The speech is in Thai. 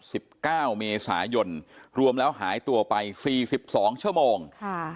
สิบเก้าเมษายนรวมแล้วหายตัวไปสี่สิบสองชั่วโมงค่ะ